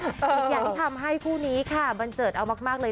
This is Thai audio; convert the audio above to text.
อีกอย่างที่ทำให้คู่นี้ค่ะบันเจิดเอามากเลย